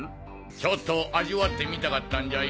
ちょっと味わってみたかったんじゃよ！